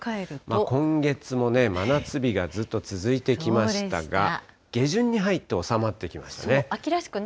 今月も真夏日がずっと続いてきましたが、下旬に入って収まってきましたね。